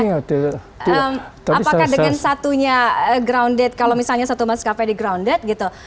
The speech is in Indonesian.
apakah dengan satunya grounded kalau misalnya satu maskapai di grounded gitu